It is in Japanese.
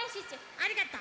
ありがとう。